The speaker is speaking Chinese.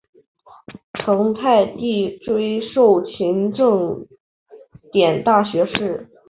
成泰帝追授勤政殿大学士。